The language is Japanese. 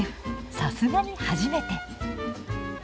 さすがに初めて。